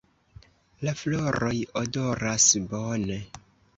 La floroj odoras bone.